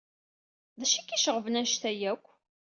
D acu k-iceɣben anect-a akk?